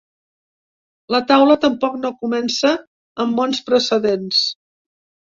La taula tampoc no comença amb bons precedents.